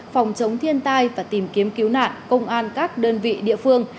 phòng chống thiên tai và tìm kiếm cứu nạn công an các đơn vị địa phương